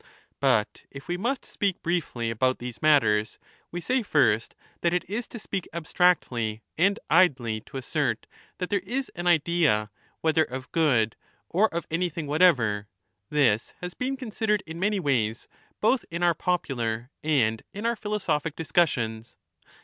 But if we must speak 20 briefly about these matters, we say first that it is to speak abstractly and idly to assert that there is an Idea whether of good or of anything whatever — this has been considered in many ways both in our popular and in our philosophic discussions.